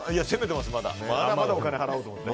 まだまだお金払おうと思ってます。